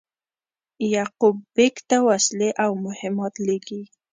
یعقوب بېګ ته وسلې او مهمات لېږي.